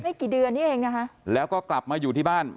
กี่เดือนนี้เองนะคะแล้วก็กลับมาอยู่ที่บ้าน